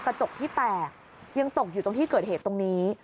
กระจกที่แตกยังตกอยู่ตรงที่เกิดเหตุตรงนี้